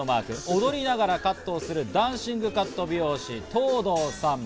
踊りながらカットをするダンシングカット美容師・藤堂さん。